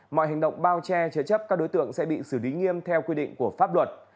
mọi hành động bao che chế chấp các đối tượng sẽ bị xử lý nghiêm theo quy định của pháp luật